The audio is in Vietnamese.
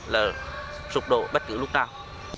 là sụp đổ bất cứ lúc nào